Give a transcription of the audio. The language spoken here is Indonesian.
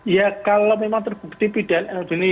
ya kalau memang terbukti pidana